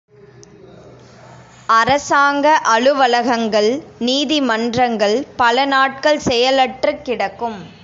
அரசாங்க அலுவலகங்கள், நீதிமன்றங்கள் பல நாட்கள் செயலற்றுக் கிடக்கும்.